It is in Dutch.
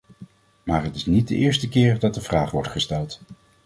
Maar het is niet de eerste keer dat de vraag wordt gesteld.